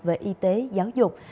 về y tế giáo dục